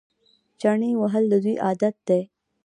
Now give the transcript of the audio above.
چنې وهل د دوی عادت دی.